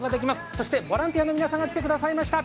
そしてボランティアの皆さんが来てくれました。